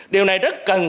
điều này rất cần chú ý